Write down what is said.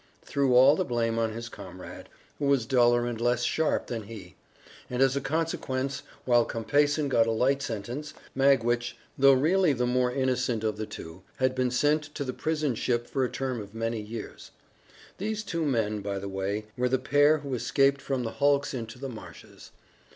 threw all the blame on his comrade, who was duller and less sharp than he, and as a consequence, while Compeyson got a light sentence, Magwitch, though really the more innocent of the two, had been sent to the prison ship for a term of many years. These two men, by the way, were the pair who escaped from the hulks into the marshes.